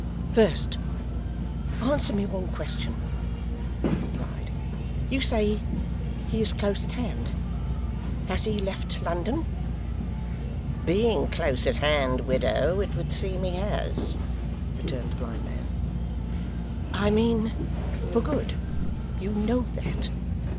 'First answer me one question,' she replied. 'You say he is close at hand. Has he left London?' 'Being close at hand, widow, it would seem he has,' returned the blind man. 'I mean, for good? You know that.